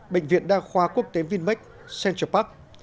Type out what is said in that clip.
bệnh viện đa khoa quốc tế vinmec central park